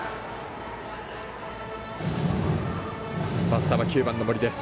バッターが９番の森です。